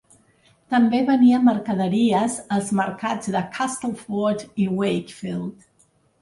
També venia mercaderies als mercats de Castleford i Wakefield.